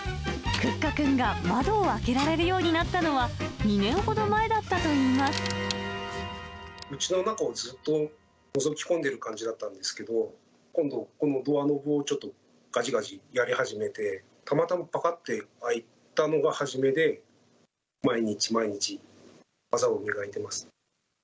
クッカくんが窓を開けられるようになったのは、２年ほど前だうちの中をずっとのぞき込んでる感じだったんですけど、今度、このドアノブをちょっとがじがじやり始めて、たまたまぱかって開いたのが初めで、毎日毎日、技を磨いてます。